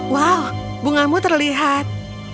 wow bungamu terlihat